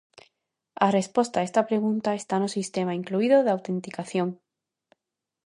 A resposta a esta pregunta está no sistema incluído de autenticación.